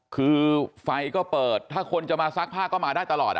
คือไฟก็เปิดถ้าคนจะมาซักผ้าก็มาได้ตลอด